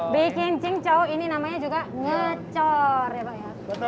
baking cingcau ini namanya juga ngecor ya pak ya